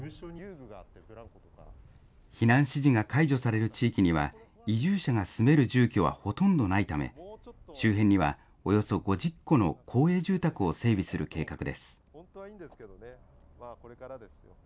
避難指示が解除される地域には、移住者が住める住居はほとんどないため、周辺にはおよそ５０戸の公営住宅を整備する計画です。